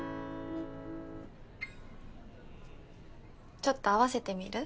ちょっと合わせてみる？